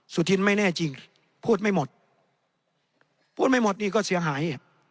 สุธินไม่แน่จริงพูดไม่หมดพูดไม่หมดนี่ก็เสียหาย